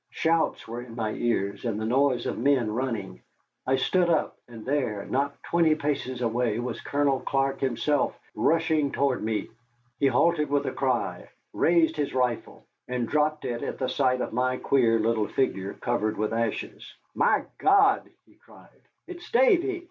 Shouts were in my ears, and the noise of men running. I stood up, and there, not twenty paces away, was Colonel Clark himself rushing toward me. He halted with a cry, raised his rifle, and dropped it at the sight of my queer little figure covered with ashes. "My God!" he cried, "it's Davy."